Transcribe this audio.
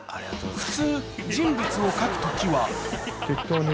普通人物を描く時は適当に。